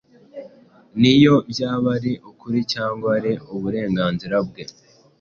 niyo byaba ari ukuri cyangwa ari uburenganzira bwe.